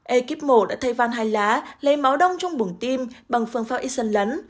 ekip mổ đã thay văn hai lá lấy máu đông trong bụng tim bằng phương pháp ison lấn